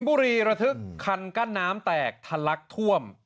บุรีระทึกคันกั้นน้ำแตกทะลักท่วม